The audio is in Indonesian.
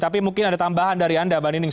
tapi mungkin ada tambahan dari anda mbak nining